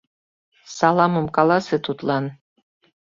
— Саламым каласе тудлан.